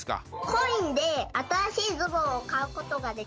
コインで新しいズボンを買う事ができる。